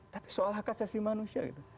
tapi soal hak asasi manusia gitu